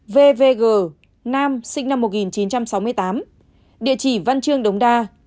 vvg nam sinh năm một nghìn chín trăm sáu mươi tám địa chỉ văn trương đống đa